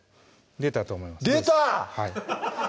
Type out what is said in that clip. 出たと思います出た！